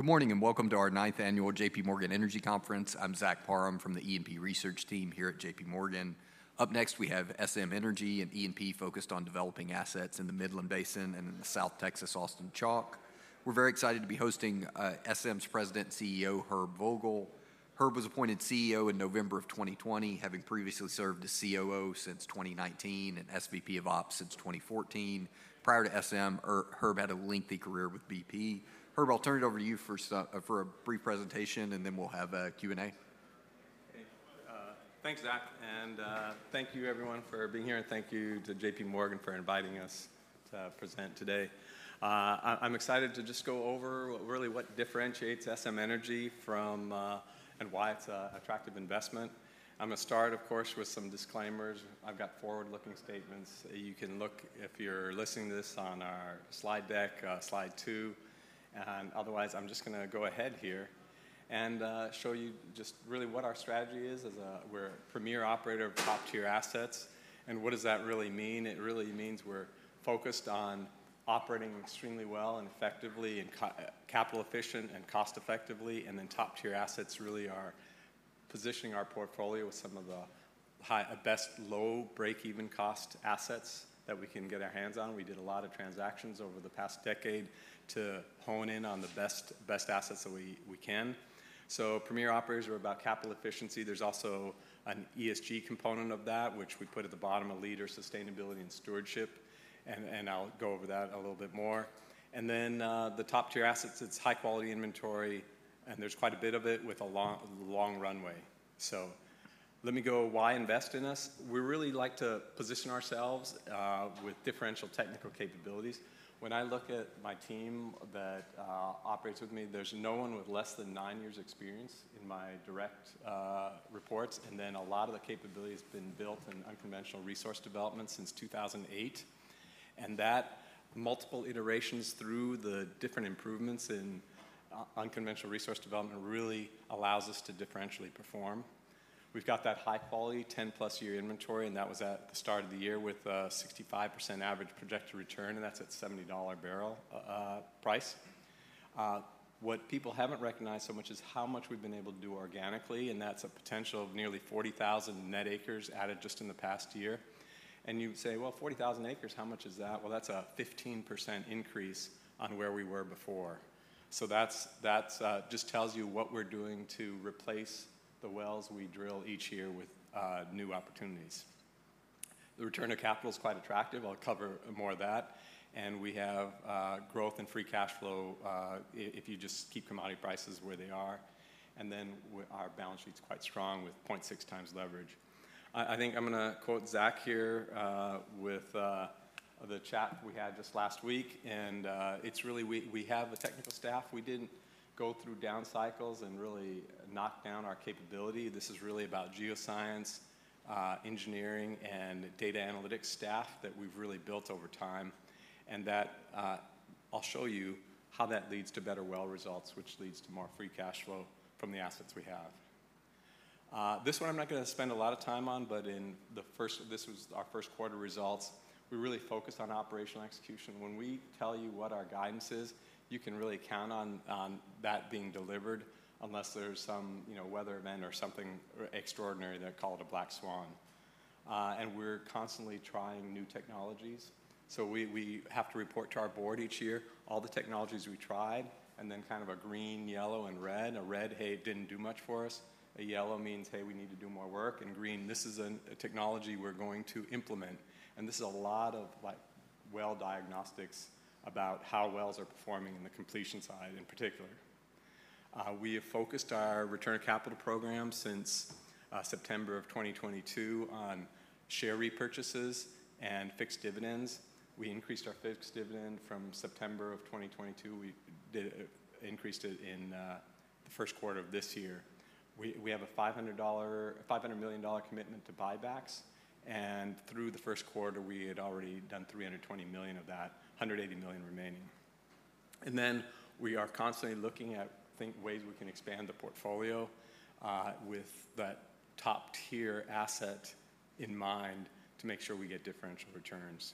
Good morning and welcome to our 9th annual JPMorgan Energy Conference. I'm Zach Parham from the E&P research team here at JPMorgan. Up next we have SM Energy and E&P focused on developing assets in the Midland Basin and in the South Texas Austin Chalk. We're very excited to be hosting SM's President CEO Herb Vogel. Herb was appointed CEO in November of 2020, having previously served as COO since 2019 and SVP of Ops since 2014. Prior to SM, Herb had a lengthy career with BP. Herb, I'll turn it over to you for a brief presentation and then we'll have Q and A. Thanks, Zach, and thank you, everyone, for being here and thank you to JPMorgan for inviting us to present today. I'm excited to just go over really what differentiates SM Energy from and why it's an attractive investment. I'm going to start, of course, with some disclaimers. I've got forward-looking statements. You can look if you're listening to this on our slide deck, slide two, and otherwise I'm just going to go ahead here and show you just really what our strategy is. As a premier operator of top-tier assets. And what does that really mean? It really means we're focused on operating extremely well and effectively and capital efficient and cost effectively. And then top-tier assets really are positioning our portfolio with some of the best low break-even cost assets that we can get our hands on. We did a lot of transactions over the past decade to hone in on the best assets that we can. So premier operators are about capital efficiency. There's also an ESG component of that which we put at the bottom: a leader, sustainability and stewardship. And I'll go over that a little bit more. And then the top tier assets. It's high quality inventory and there's quite a bit of it with a long runway. So let me go, why invest in us? We really like to position ourselves with differential technical capabilities. When I look at my team that operates with me, there's no one with less than nine years experience in my direct reports. And then a lot of the capability has been built in unconventional resource development since 2008. And that multiple iterations through the different improvements in unconventional resource development really allows us to differentially perform. We've got that high quality 10+ year inventory, and that was at the start of the year with 65% average projected return, and that's at $70/barrel price. What people haven't recognized so much is how much we've been able to do organically. And that's a potential of nearly 40,000 net acres added just in the past year. And you say, well, 40,000 acres, how much is that? Well, that's a 15% increase where we were before. So that just tells you what we're doing to replace the wells we drill each year with new opportunities. The return of capital is quite attractive. I'll cover more of that. And we have growth and free cash flow if you just keep commodity prices where they are. And then our balance sheet is quite strong with 0.6x leverage. I think I'm going to quote Zach here with the chat we had just last week. It's really, we have a technical staff. We didn't go through down cycles and really knock down our capability. This is really about geoscience, engineering and data analytics staff that we've really built over time and that I'll show you how that leads to better well results which leads to more free cash flow from the assets we have. This one I'm not going to spend a lot of time on. But in the first, this was our first quarter results, we really focus on operational execution. When we tell you what our guidance is, you can really count on that being delivered. Unless there's some weather event or something extraordinary that called a black swan. We're constantly trying new technologies so we have to report to our board each year all the technologies we tried. Then kind of a green, yellow and red. A red hey didn't do much for us. A yellow means hey, we need to do more work. Green, this is a technology we're going to implement. And this is a lot of like well diagnostics about how wells are performing in the completion side in particular. We have focused our return of capital program since September of 2022 on share repurchases and fixed dividends. We increased our fixed dividend from September of 2022. We did increased it in the first quarter of this year. We have a $500 million commitment to buybacks. Through the first quarter we had already done $320 million of that $180 million remaining. And then we are constantly looking at ways we can expand the portfolio with that top tier asset in mind to make sure we get differential returns.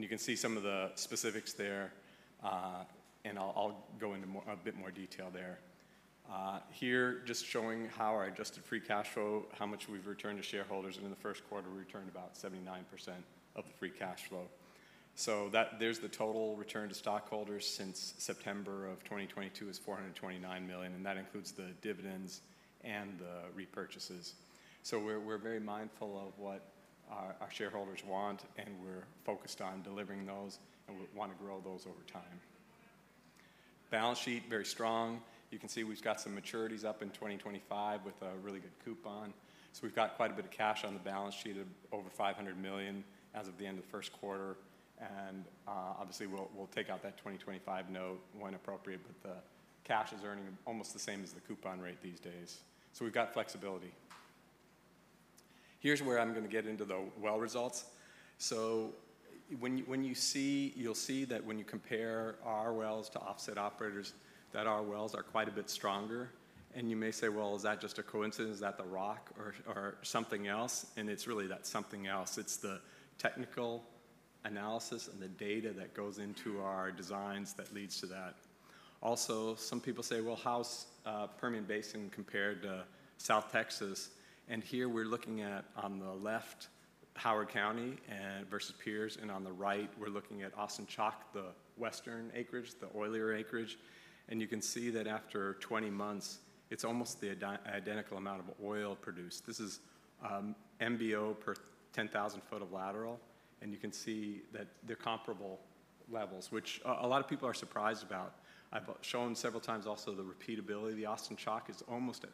You can see some of the specifics there. I'll go into a bit more detail there here, just showing how our adjusted free cash flow, how much we've returned to shareholders and in the first quarter we returned about 79% of the free cash flow. There's the total return to stockholders since September of 2022 is $429 million, and that includes the dividends and the repurchases. So we're very mindful of what our shareholders want, and we're focused on delivering those and we want to grow those over time. Balance sheet very strong. You can see we've got some maturities up in 2025 with a really good coupon. So we've got quite a bit of cash on the balance sheet of over $500 million as of the end of the first quarter. And obviously we'll take out that 2025 note when appropriate, but the cash is earning almost the same as the good coupon rate these days. So we've got flexibility. Here's where I'm going to get into the well results. So when you see, you'll see that when you compare our wells to offset operators, that our wells are quite a bit stronger. And you may say, well, is that just a coincidence that the rock or something else? And it's really that something else. It's the technical analysis and the data that goes into our designs that leads to that. Also, some people say, well, how's Permian Basin compared to South Texas? And here we're looking at, on the left, Howard County versus Briscoe, and on the right we're looking at Austin Chalk, the western acreage, the oilier acreage. And you can see that after 20 months, it's almost the identical amount of oil produced. This is MBO per 10,000 foot of lateral. And you can see that they're comparable levels, which a lot of people are surprised about. I've shown several times also the repeatability. The Austin Chalk is almost at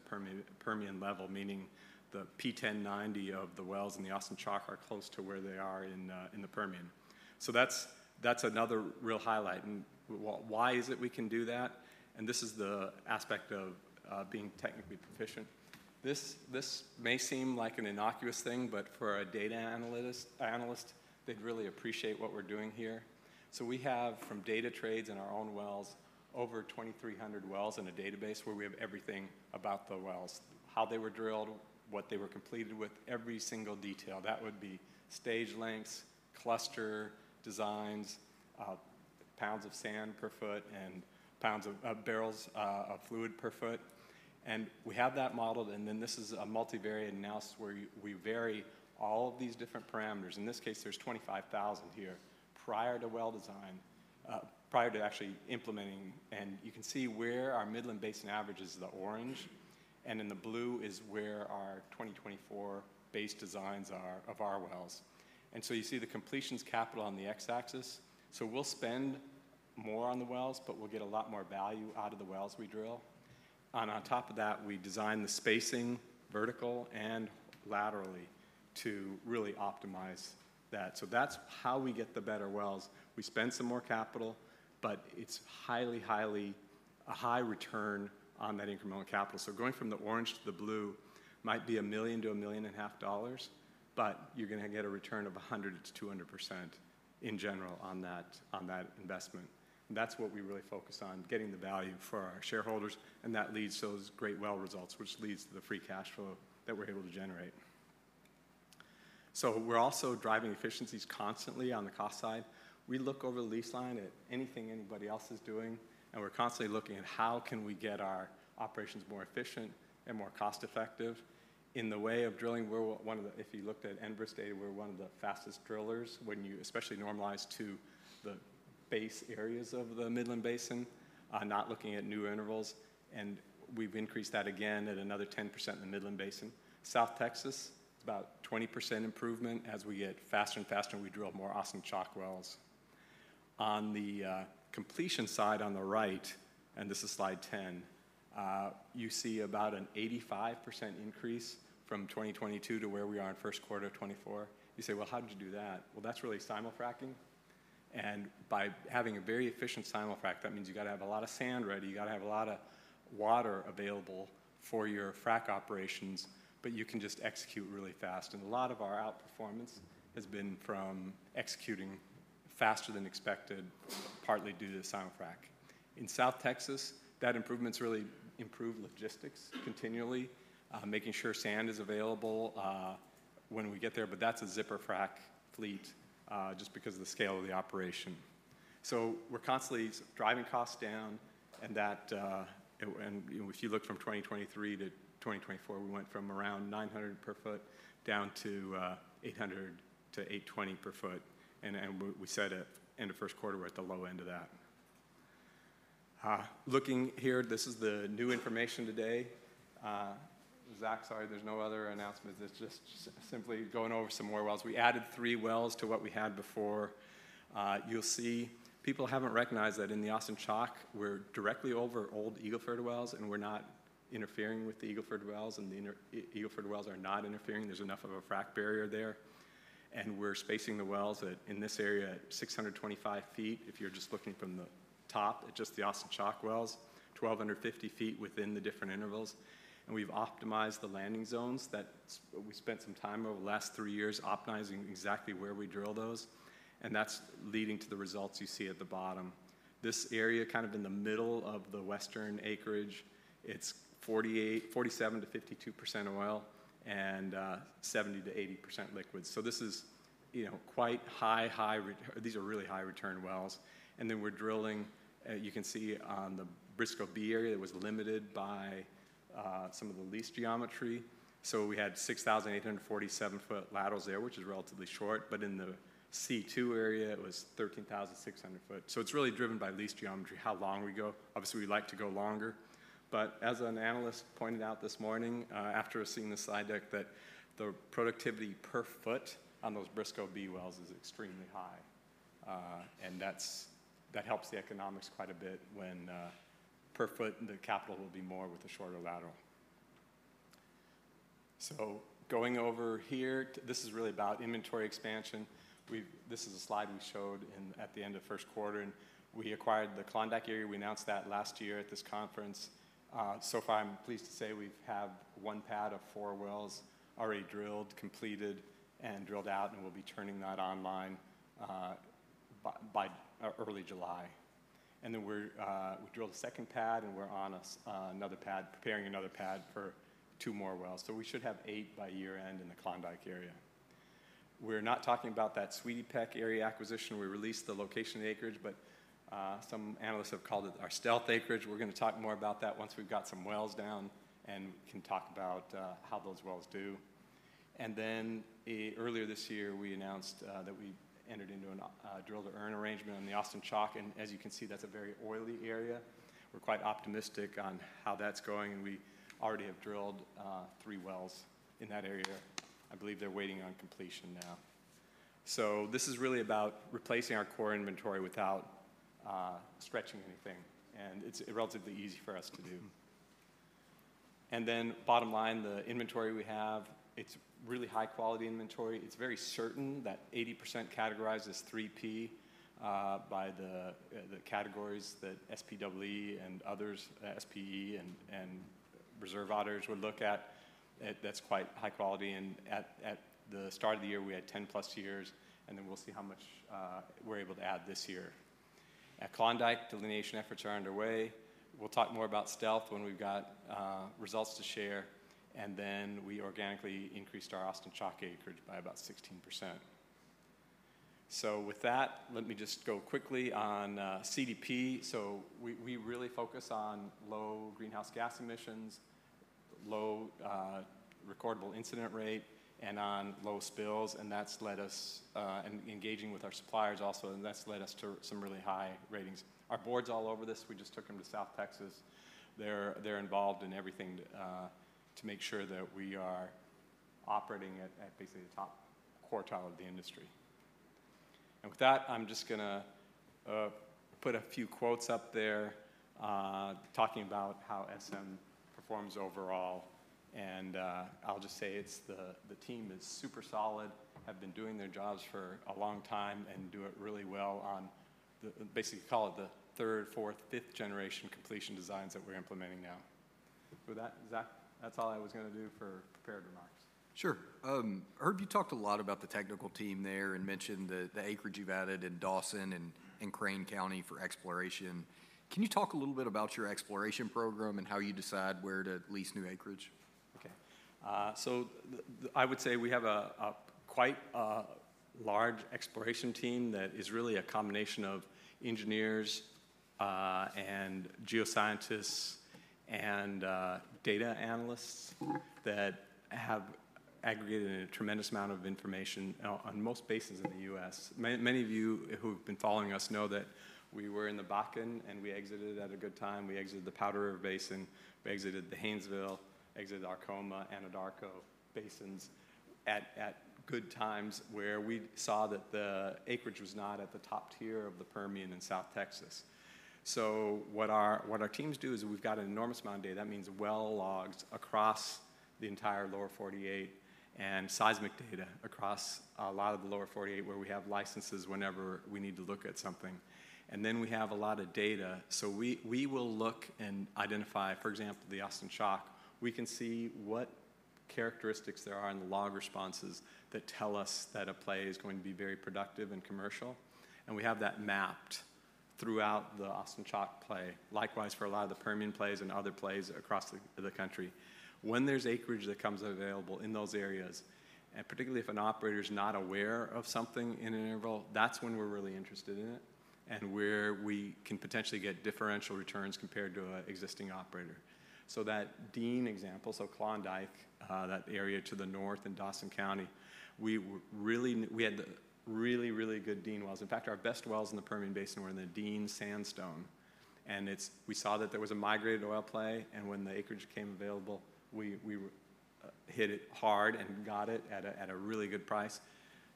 Permian level, meaning the P10/P90 of the wells and the Austin Chalk are close to where they are in the Permian. So that's another real highlight. And why is it we can do that? This is the aspect of being technically proficient. This may seem like an innocuous thing, but for a data analyst, analysts, they'd really appreciate what we're doing here. So we have, from data trades in our own wells, over 2,300 wells in a database where we have everything about the wells, how they were drilled, what they were completed, with every single detail. That would be stage lengths, cluster designs, pounds of sand per foot and pounds of barrels of fluid per foot. And we have that modeled. And then this is a multivariate analysis where we vary all of these different parameters. In this case, there's 25,000 here prior to well design, prior to actually implementing and you can see where our Midland Basin averages is the orange. And in the blue is where our 2024 base designs are of our wells. And so you see the completions capital on the x-axis. So we'll spend more on the wells, but we'll get a lot more value out of the wells we drill. And on top of that, we design the spacing vertical and laterally to really optimize that. So that's how we get the better wells. We spend some more capital. But it's highly, highly a high return on that incremental capital. So going from the orange to the blue might be $1 million-$1.5 million, but you're going to get a return of 100%-200% in general on that, on that investment. That's what we really focus on, getting the value for our shareholders. And that leads to those great well results, which leads to the free cash flow that we're able to generate. So we're also driving efficiencies constantly on the cost side. We look over the lease line at anything anybody else is doing. And we're constantly looking at how can we get our operations more efficient and more cost effective in the way of drilling. We're one of the, if you looked at Enverus data, we're one of the fastest drillers. When you especially normalize to the base areas of the Midland Basin, not looking at new intervals. And we've increased that again at another 10% in the Midland Basin, South Texas, about 20% improvement. As we get faster and faster, we drill more Austin Chalk wells on the completion side on the right. And this is Slide 10. You see about an 85% increase from 2022 to where we are in first quarter 2024. You say, well, how did you do that? Well, that's really simul-fracking. And by having a very efficient simul-frac, that means you've got to have a lot of sand ready, you got to have a lot of water available for your frac operations, but you can just execute really fast. And a lot of our outperformance has been from executing faster than expected partly due to simul-frac in South Texas. That improvement's really improved logistics, continually making sure sand is available when we get there. But that's a zipper frac fleet just because of the scale of the operation. So we're constantly driving costs down and that. And if you look from 2023 to 2024, we went from around $900 per foot down to $800-$820 per foot. And we said at end of first quarter, we're at the low end of that, looking here. This is the new information today. Zach. Sorry, there's no other announcements. It's just simply going over some more wells. We added 3 wells to what we had before. You'll see people haven't recognized that in the Austin Chalk, we're directly over old Eagle Ford wells. And we're not interfering with the Eagle Ford wells. And the Eagle Ford wells are not interfering. There's enough of a frac barrier there and we're spacing the wells in this area at 6,625 ft. If you're just looking from the top at just the Austin Chalk wells, 1,250 ft within the different intervals. And we've optimized the landing zones that we spent some time over the last 3 years optimizing exactly where we drill those. And that's leading to the results. You see at the bottom. This area kind of in the middle of the western acreage, it's 47%-52% oil and 70%-80% liquid. So this is, you know, quite high. High. These are really high return wells. Then we're drilling. You can see on the Briscoe B area that was limited by some of the lease geometry. So we had 6,847-foot laterals there, which is relatively short. But in the C2 area it was 13,600-foot. So it's really driven by lease geometry how long we go. Obviously we like to go longer. But as an analyst pointed out this morning after seeing the slide deck that the productivity per foot on those Briscoe B wells is extremely high. And that helps the economics quite a bit when per foot the capital will be more with the shorter lateral. So going over here, this is really about inventory expansion. This is a slide we showed at the end of first quarter and we acquired the Klondike area. We announced that last year at this conference. So far, I'm pleased to say we have one pad of four wells already drilled, completed and drilled out, and we'll be turning that online by early July. And then we drilled a second pad and we're on another pad preparing another pad for two more wells. So we should have eight by year end in the Klondike area. We're not talking about that Sweetie Peck area acquisition. We released the location of the acreage, but some analysts have called it our stealth acreage. We're going to talk more about that once we've got some wells down and can talk about how those wells do. And then earlier this year we announced that we entered into a drill to earn arrangement on the Austin Chalk. And as you can see, that's a very oily area. We're quite optimistic on how that's going and we already have drilled 3 wells in that area. I believe they're waiting on completion now. So this is really about replacing our core inventory without stretching anything and it's relatively easy for us to do. And then bottom line, the inventory we have, it's really high quality inventory. It's very certain that 80% categorized as 3P by the categories that SPE and others, SPE and reserve auditors would look at, that's quite high quality. And at the start of the year we had 10+ years. And then we'll see how much we're able to add this year. At Klondike, delineation efforts are underway. We'll talk more about stealth when we've got results to share. And then we organically increased our Austin Chalk acreage by about 16%. So with that, let me just go quickly on CDP. So we really focus on loads of low greenhouse gas emissions, low recordable incident rate and on low spills. And that's led us engaging with our suppliers also and that's led us to some really high ratings. Our board's all over this. We just took them to South Texas. They're involved in everything to make sure that we are operating at basically the top quartile of the industry. And with that I'm just going to put a few quotes up there talking about how SM performs overall. And I'll just say it's the team is super solid, have been doing their jobs for a long time and do it really well on basically call it the third, fourth, fifth generation completion designs that we're implementing now. With that, Zach, that's all I was going to do for prepared remarks. Sure. I heard you talked a lot about the technical team there and mentioned the acreage you've added in Dawson County and in Crane County for exploration. Can you talk a little bit about your exploration program and how you decide where to lease new acreage? Okay. So I would say we have quite a large exploration team that is really a combination of engineers and geoscientists and data analysts that have aggregated a tremendous amount of information on most basins in the U.S. Many of you who have been following us know that we were in the Bakken and we exited at a good time. We exited the Powder River Basin, we exited the Haynesville, exited Arkoma, Anadarko Basins at good times, where we saw that the acreage was not at the top tier of the Permian in South Texas. So what our teams do is we've got an enormous amount of data that means well logs across the entire Lower 48 and seismic data across a lot of the Lower 48, where we have licenses whenever we need to look at something, and then we have a lot of data. So we will look and identify, for example, the Austin Chalk. We can see what characteristics there are in the log responses that tell us that a play is going to be very productive and commercial. And we have that mapped throughout the Austin Chalk play. Likewise for a lot of the Permian plays and other plays across the country. When there's acreage that comes available in those areas, and particularly if an operator is not aware of something in an interval, that's when we're really interested in it and where we can potentially get differential returns compared to an existing operator. So that Dean example, so Klondike, that area to the north in Dawson County, we really, we had really, really good Dean wells. In fact, our best wells in the Permian Basin were in the Dean Sandstone. And we saw that there was a migrated oil play. When the acreage came available, we hit it hard and got it at a really good price.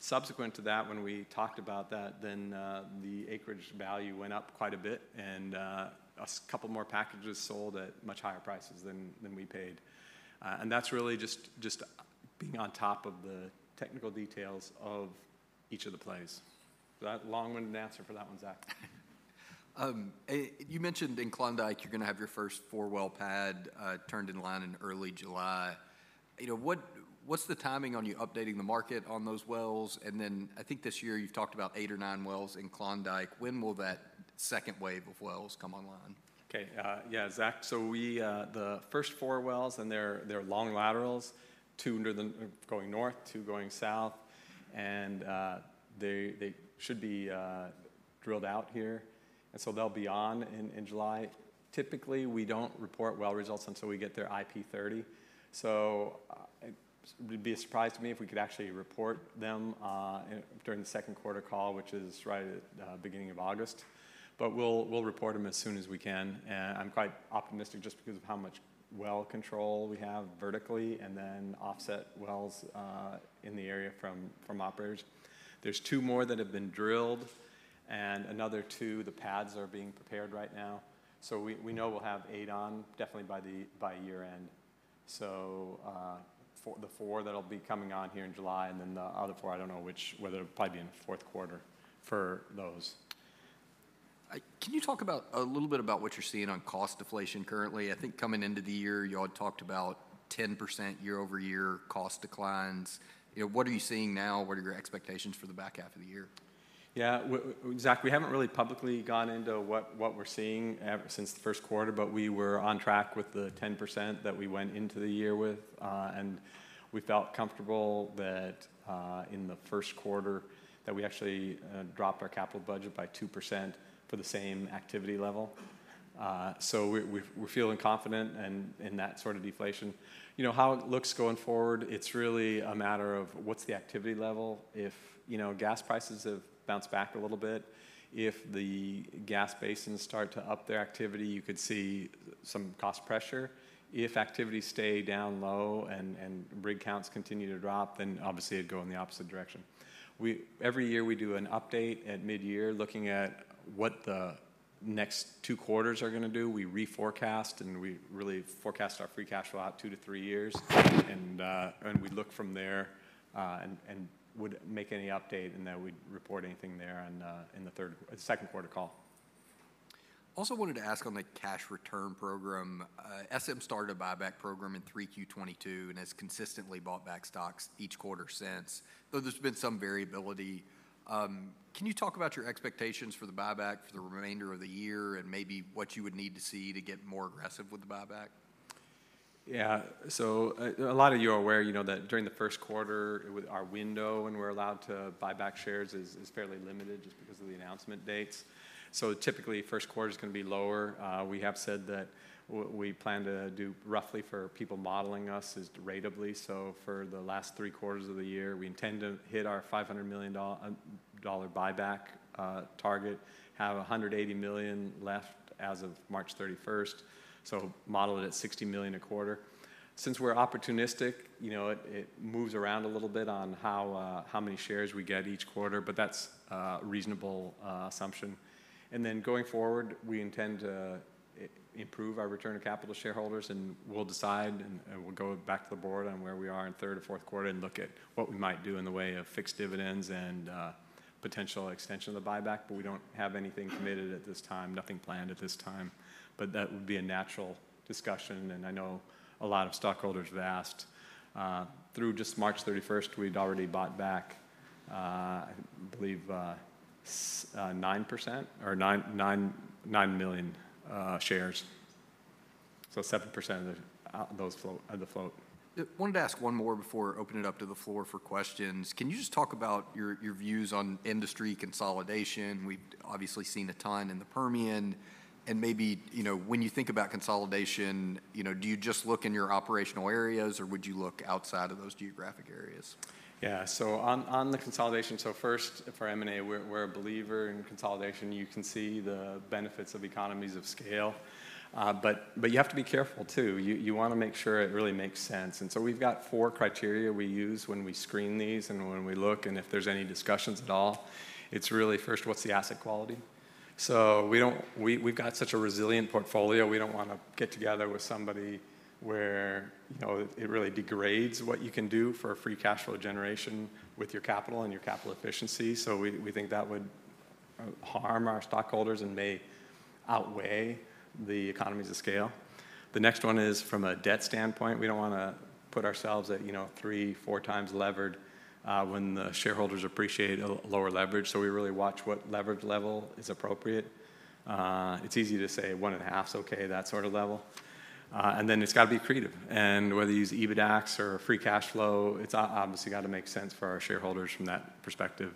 Subsequent to that, when we talked about that, then the acreage value went up quite a bit and a couple more packages sold at much higher prices than we paid. And that's really just being on top of the technical details of each of the plays. That long-winded answer for that one. Zach. You mentioned in Klondike, you're going to have your first 4 well pad turned in line in early July. You know what, what's the timing on you updating the market on those wells? And then I think this year you've talked about 8 or 9 wells in Klondike. When will that second wave of wells come online? Okay, yeah, Zach, so we, the first 4 wells, and they're, they're long laterals, 2 under the ground going north, 2 going south, and they should be drilled out here. So they'll be on in July. Typically we don't report well results until we get their IP30. So it would be a surprise to me if we could actually report them during the second quarter call, which is right at the beginning of August. But we'll report them as soon as we can. I'm quite optimistic just because of how much well control we have vertically and then offset wells in the area from operators. There's two more that have been drilled and another two the pads are being prepared right now. So we know we'll have eight on definitely by year end. So the four that'll be coming on here in July and then the other four, I don't know which whether it'll probably be in the fourth quarter for those. Can you talk about a little bit about what you're seeing on cost deflation currently? I think coming into the year? You all talked about 10% year-over-year cost declines. What are you seeing now? What are your expectations for the back half of the year? Yeah, exactly. We haven't really publicly gone into what we're seeing since the first quarter, but we were on track with the 10% that we went into the year with and we felt comfortable that in the first quarter that we actually dropped our capital budget by 2% for the same activity level. So we're feeling confident in that sort of deflation. You know how it looks going forward. It's really a matter of what's the activity level. If you know gas prices have bounced back a little bit. If the gas basins start to up their activity, you could see some cost pressure. If activities stay down low and rig counts continue to drop, then obviously it'd go in the opposite direction. Every year we do an update at mid year looking at what the next two quarters are going to do. We reforecast and we really forecast our free cash flow out 2-3 years and we look from there and would make any update and then we'd report anything there in the second quarter. Caller also wanted to ask on the cash return program. SM started a buyback program in 3Q22 and has consistently bought back stocks each quarter since, though there's been some variability. Can you talk about your expectations for the buyback for the remainder of the year and maybe what you would need to see to get more aggressive with the buyback? Yeah. So a lot of you are aware, you know that during the first quarter with our window when we're allowed to buy back shares is fairly limited just because of the announcement dates. So typically first quarter is going to be lower. We have said that we plan to do roughly for people modeling us ratably. So for the last three quarters of the year we intend to hit our $500 million buyback target. Have $180 million left as of March 31st. So model it at $60 million a quarter since we're opportunistic, you know, it moves around a little bit on how many shares we get each quarter, but that's reasonable assumption. Then going forward, we intend to improve our return of capital to shareholders and we'll decide and we'll go back to the board on where we are in third or fourth quarter and look at what we might do in the way of fixed dividends and potential extension of the buyback. But we don't have anything committed at this time. Nothing planned at this time. But that would be a natural discussion. I know a lot of stockholders have asked through just March 31, we'd already bought back, I believe, 9% or 9 million shares. So 7% of those float. The host wanted to ask one more before opening it up to the floor for questions. Can you just talk about your views on industry consolidation? We've obviously seen a ton in the Permian and maybe, you know, when you think about consolidation, you know, do you just look in your operational areas or would you look outside of those geographic areas? Yeah, so on the consolidation. So first for M&A, we're a believer in consolidation. You can see the benefits of economies of scale. But you have to be careful too. You want to make sure it really makes sense. And so we've got four criteria we use when we screen these and when we look and if there's any discussions at all, it's really first, what's the asset quality? So we've got such a resilient portfolio. We don't want to get together with somebody where it really degrades what you can do for free cash flow generation with your capital and your capital efficiency. So we think that would harm our stockholders and may outweigh the economies of scale. The next one is from a debt standpoint. We don't want to put ourselves at, you know, 3x-4x levered when the shareholders appreciate a lower leverage. So we really watch what leverage level is appropriate. It's easy to say 1.5's okay, that sort of level. And then it's got to be creative. And whether you use EBITDAX or free cash flow, it's obviously got to make sense for our shareholders from that perspective.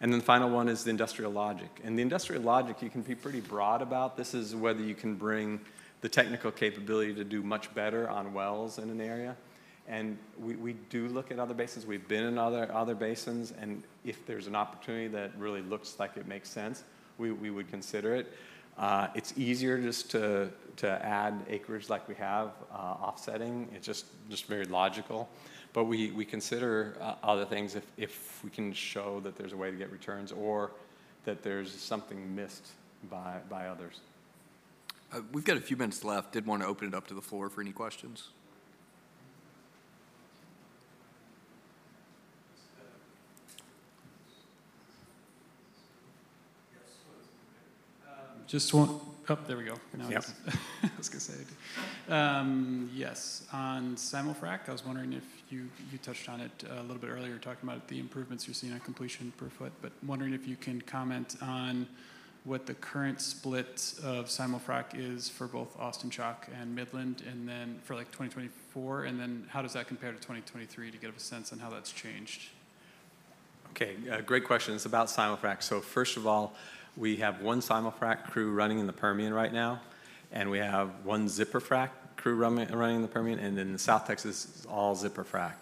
And then the final one is the industrial logic. And the industrial logic you can be pretty broad about this is whether you can bring the technical capability to do much better on wells in an area. And we do look at other basins, we've been in other basins and if there's an opportunity that really looks like it makes sense, we would consider it. It's easier just to add acreage like we have offsetting. It's just very logical, but we consider other things. If we can show that there's a way to get returns or that there's something missed by others. We've got a few minutes left. Did want to open it up to the floor for any questions? Just one. There we go. Yes. On simul-frac, I was wondering if you touched on it a little bit earlier, talking about the improvements you're seeing on completion per foot, but wondering if you can comment on what the current split of simul-frac is for both Austin Chalk and Midland and then for like 2024, and then how does that compare to 2023 to give a sense on how that's changed. Okay, great question. It's about simul-frac. So first of all, we have one simul-frac crew running in the Permian right now, and we have one zipper frac crew running in the Permian and then South Texas, all zipper frac.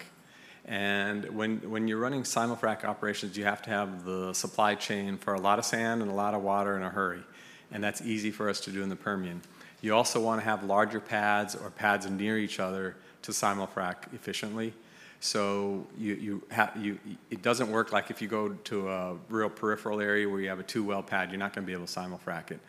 And when you're running simul-frac operations, you have to have the supply chain for a lot of sand and a lot of water in a hurry. And that's easy for us to do in the Permian. You also want to have larger pads or pads near each other to simul-frac efficiently. So it doesn't work like if you go to a real peripheral area where you have a 2-well pad, you're not going to be able to simul-frac it.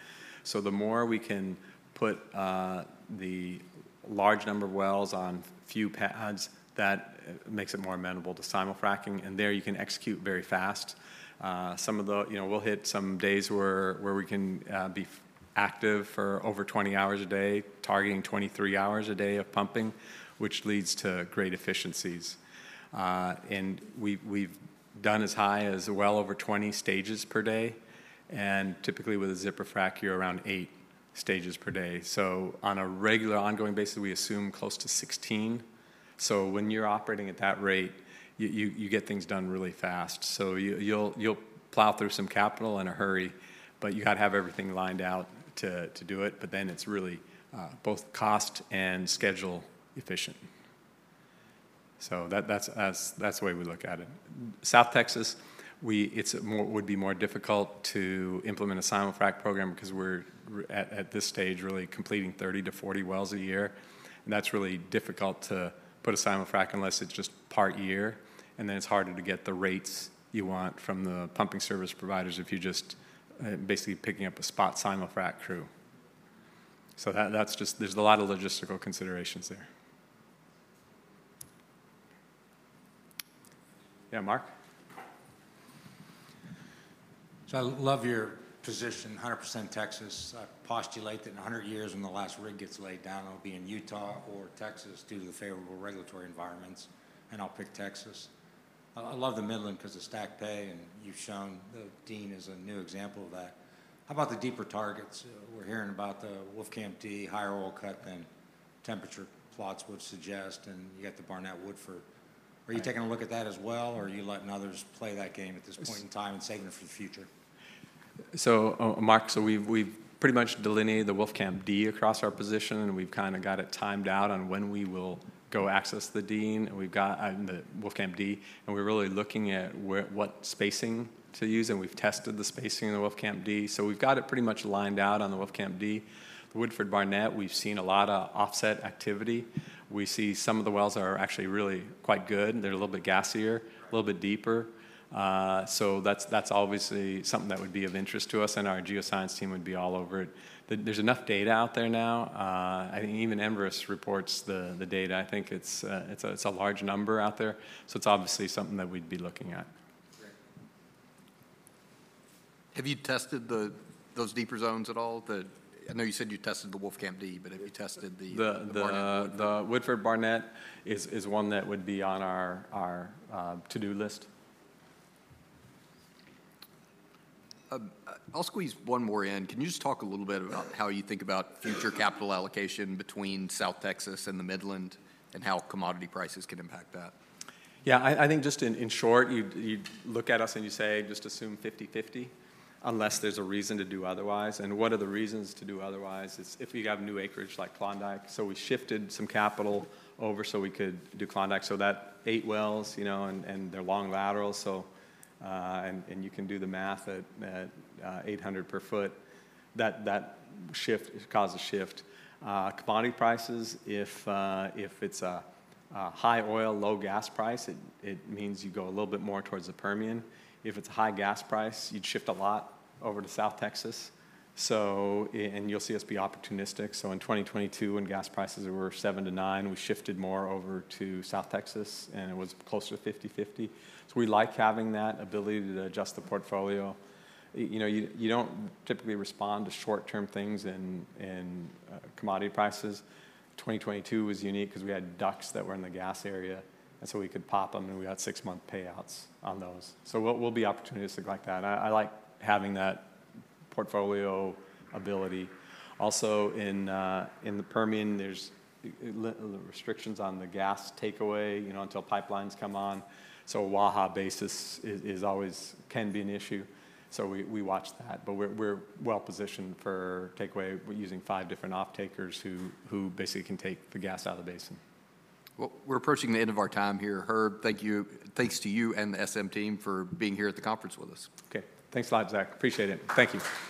So the more we can put the large number of wells on few pads, that makes it more amenable to simul-fracking. And there you can execute very fast. Some of the, you know, we'll hit some days where we can be active for over 20 hours a day, targeting 23 hours a day of pumping, which leads to great efficiencies. And we've done as high as, well over 20 stages per day. And typically with a zipper frac, you're around eight stages per day. So on a regular ongoing basis, we assume close to 16. So when you're operating at that rate, you get things done really fast. So you'll plow through some capital in a hurry, but you got to have everything lined out to do it. But then it's really both cost and schedule efficient. So that's, that's the way we look at it. South Texas would be more difficult to implement a simul-frac program because we're at this stage really completing 30-40 wells a year. And that's really difficult to put a simul-frac unless it's just part year. And then it's harder to get the rates you want from the pumping service providers. If you're just basically picking up a spot simul-frac crew. So that's just. There's a lot of logistical considerations there. Yeah. Mark. So I love your position, 100% Texas. I postulate that in 100 years when the last rig gets laid down, it will be in Utah or Texas due to the favorable regulatory environments. And I'll pick Texas. I love the Midland because of stack pay. And you've shown the Dean is a new example of that. How about the deeper targets? We're hearing about the Wolfcamp D, higher oil cut than temperature plots would suggest. And you got the Barnett Woodford. Are you taking a look at that as well, or are you letting others play that game at this point in time and saving it for the future? So, Mark, so we've pretty much delineated the Wolfcamp D across our position and we've kind of got it timed out on when we will go access the Dean. We've got the Wolfcamp D and we're really looking at what spacing to use. We've tested the spacing in the Wolfcamp D, so we've got it pretty much lined out on the Wolfcamp D. Woodford-Barnett, we've seen a lot of offset activity. We see some of the wells are actually really quite good. They're a little bit gassier, a little bit deeper. So that's obviously something that would be of interest to us and our geoscience team would be all over it. There's enough data out there now. I think even Enverus reports the data. I think it's a large number out there, so it's obviously something that we'd be looking at. Have you tested those deeper zones at all? I know you said you tested the Wolfcamp D, but have you tested the Barnett? The Woodford-Barnett is one that would be on our to-do list. I'll squeeze one more in. Can you just talk a little bit about how you think about future capital allocation between South Texas and the Midland and how commodity prices can impact that? Yeah, I think just in short, you look at us and you say just assume 50/50. Unless there's a reason to do otherwise. And what are the reasons to do otherwise? If you have new acreage like Klondike, so we shifted some capital over so we could do Klondike so that 8 wells, you know, and they're long laterals, so. And you can do the math. At $800 per foot, that shift caused a shift commodity prices, if it's a high oil low gas price, it means you go a little bit more towards the Permian. If it's a high gas price, you'd shift a lot over to South Texas and you'll see us be opportunistic. So in 2022, when gas prices were $7-$9, we shifted more over to South Texas and it was closer to 50/50. So we like having that ability to adjust the portfolio. You know, you don't typically respond to short term things in commodity prices. 2022 was unique because we had DUCs that were in the gas area and so we could pop them and we had six-month payouts on those. So we'll be opportunistic like that. I like having that portfolio ability. Also in the Permian, there's restrictions on the gas takeaway until pipelines come on. So a Waha basis can be an issue. So we watch that. But we're well positioned for takeaway using five different offtakers who basically can take the gas out of the basin. Well, we're approaching the end of our time here. Herb, thank you. Thanks to you and the SM team for being here at the conference with us. Okay, thanks a lot, Zach. Appreciate it. Thank you.